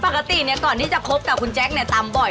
ปกติเนี่ยก่อนที่จะคบกับคุณแจ๊คเนี่ยตามบ่อย